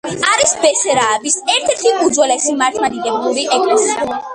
არის ბესარაბიის ერთ-ერთი უძველესი მართლმადიდებლური ეკლესია.